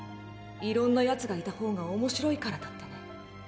いろんな奴がいた方が面白いからだってね。